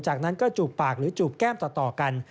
จากนั้นก็จูบปากหรือจูบแก้มต่อกัน